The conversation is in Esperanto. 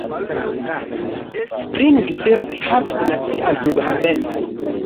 Springfield havas nacian flughavenon.